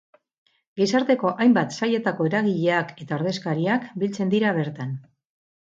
Gizarteko hainbat sailetako eragileak eta ordezkariak biltzen dira bertan.